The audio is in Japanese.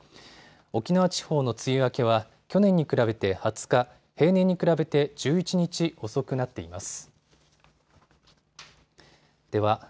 沖縄地方の梅雨明けは去年に比べて２０日、平年に比べて１１日遅くなっています。